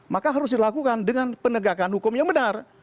maka harus dilakukan dengan penegakan hukum yang benar